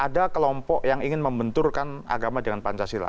ada kelompok yang ingin membenturkan agama dengan pancasila